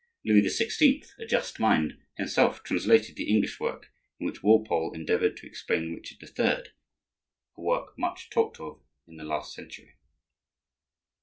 Louis XVI., a just mind, himself translated the English work in which Walpole endeavored to explain Richard III.,—a work much talked of in the last century.